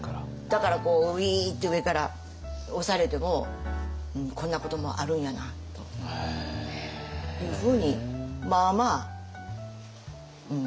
だからウイーッて上から押されてもこんなこともあるんやなというふうにまあまあうん。